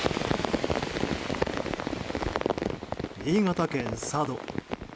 新潟県佐渡。